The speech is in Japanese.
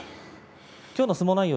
きょうの相撲内容